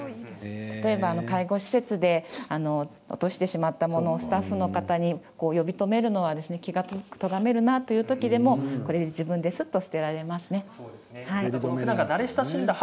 介護施設で落としてしまったもののためにスタッフの人を呼び止めるのは気がとがめるなというときでもこれで自分ですっと捨てられますね。